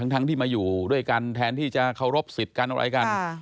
ทั้งที่มาอยู่ด้วยกันแทนที่จะเคารพสิทธิ์กันอะไรกัน